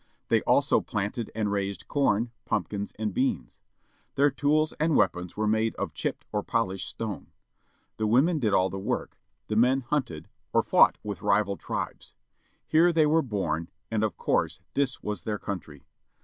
They also planted and raised corn, pumpkins, and beans. Their tools and weapons were made of chipped or polished stone. The women did all the work. The men htmted, or fought with rival tribes. Here they were born, and of course this was their country.